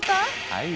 はい。